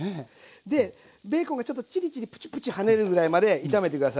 でベーコンがちょっとチリチリプチプチ跳ねるぐらいまで炒めて下さい。